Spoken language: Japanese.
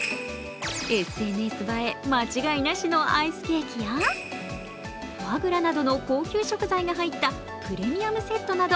ＳＮＳ映え、間違いなしのアイスケーキや、フォアグラなどの高級食材が入ったプレミアムセットなど、